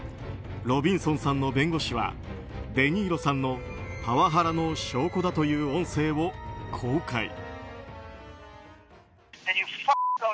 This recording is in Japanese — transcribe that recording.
ロビンソンさんの弁護士はデ・ニーロさんのパワハラの証拠だという音声を公開。